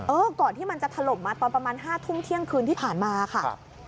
ก่อนที่มันจะถล่มมาตอนประมาณ๕ทุ่มเที่ยงคืนที่ผ่านมาค่ะ